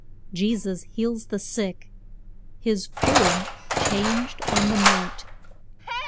JESUS HEALS THE SICK. HIS FORM CHANGED ON THE MOUNT.